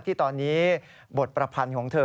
ที่ตอนนี้บทประพันธ์ของเธอ